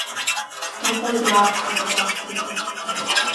Дҭахозар акәхап абахҭаҿы.